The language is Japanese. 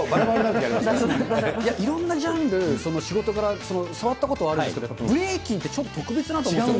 いろんなジャンル、仕事柄教わったことあるんですけど、ブレイキンってちょっと特別だと思ってて。